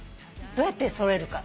どうやって揃えるか。